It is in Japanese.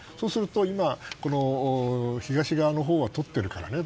そうすると今、東側のほうはとっているから。